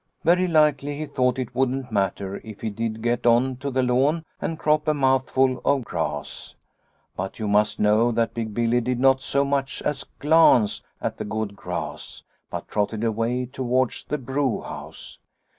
Very likely he thought it wouldn't matter if he did get on to the lawn and crop a mouthful of grass. But you must know that Big Billy did not so much as glance at the good grass, but trotted away towards the brewhouse.